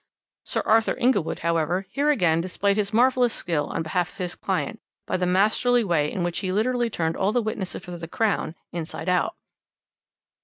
Sir Arthur Inglewood, however, here again displayed his marvellous skill on behalf of his client by the masterly way in which he literally turned all the witnesses for the Crown inside out.